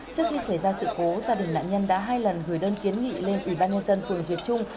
trước khi xảy ra sự cố gia đình nạn nhân đã hai lần gửi đơn kiến nghị lên ủy ban nhân dân phường duyệt trung